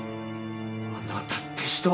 あなたって人は。